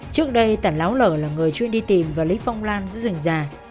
trước đây tẩn láo lở là người chuyên đi tìm và lấy phong lan giữa rừng già